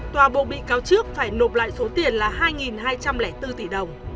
tòa bộ bị cáo trước phải nộp lại số tiền là hai hai trăm linh bốn tỷ đồng